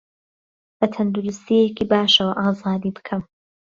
به تهندروستییهکی باشهوه ئازادی بکهم